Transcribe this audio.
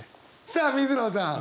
さあ水野さん。